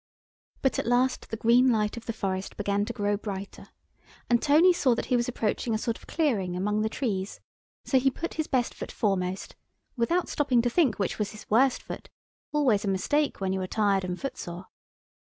But at last the green light of the forest began to grow brighter, and Tony saw that he was approaching a sort of clearing among the trees, so he put his best foot foremost, without stopping to think which was his worst foot—always a mistake when you are tired and footsore.